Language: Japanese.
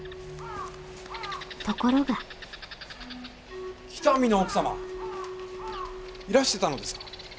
ところが北見の奥様いらしてたのですか。